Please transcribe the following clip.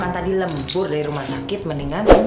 tadi lembur dari rumah sakit mendingan